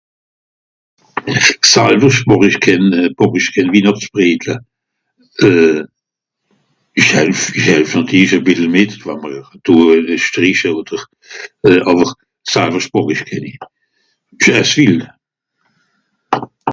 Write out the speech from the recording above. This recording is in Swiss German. Personnellement je ne fais pas de gâteaux de Noël. J'aide à leur confection ; beurrer, emporte pièce etc mais j'en fais pas personnellement Mais j'en mange beaucoup